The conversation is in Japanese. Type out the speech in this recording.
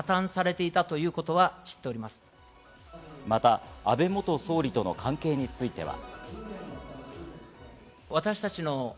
また、安倍元総理との関係については。